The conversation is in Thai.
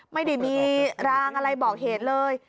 ไม่ได้มีรางอะไรบอกเหตุเลย